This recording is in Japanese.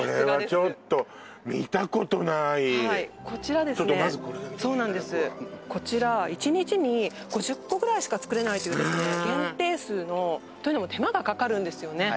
ちょっとまずこれだけこちら１日に５０個ぐらいしか作れないという限定数のというのも手間がかかるんですよね